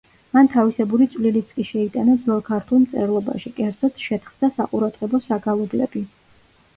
მან თავისებური წვლილიც კი შეიტანა ძველ ქართულ მწერლობაში, კერძოდ, შეთხზა საყურადღებო საგალობლები.